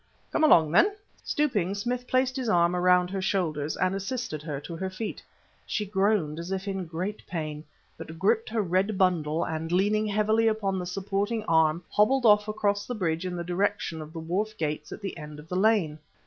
"Come along, then!" Stooping, Smith placed his arm around her shoulders, and assisted her to her feet. She groaned as if in great pain, but gripped her red bundle, and leaning heavily upon the supporting arm, hobbled off across the bridge in the direction of the wharf gates at the end of the lane.